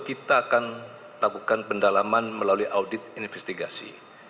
kita akan lakukan pendalaman melalui audit investigasi